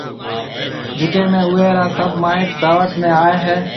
جڪيَ ۾ اوئيَ را سڀ مائيٽ دعوت ۾ آئيَ ھيََََ